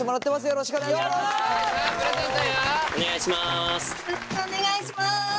よろしくお願いします。